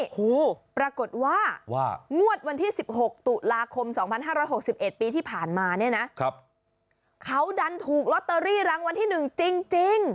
โอ้โหปรากฏว่าว่างวดวันที่สิบหกตุลาคมสองพันห้าร้อยหกสิบเอ็ดปีที่ผ่านมาเนี้ยนะครับเขาดันถูกลอตเตอรี่รังวันที่หนึ่งจริงจริง